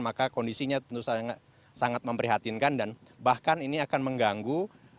maka kondisinya tentu saja sangat memprihatinkan dan bahkan ini akan mengganggu